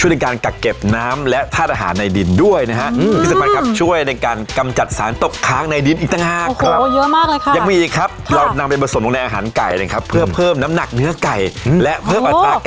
ฮือฮือฮือฮือฮือฮือฮือฮือฮือฮือฮือ